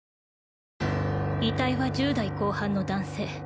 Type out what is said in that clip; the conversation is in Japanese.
遺体は１０代後半の男性